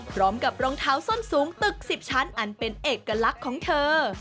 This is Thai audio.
รองเท้าส้นสูงตึก๑๐ชั้นอันเป็นเอกลักษณ์ของเธอ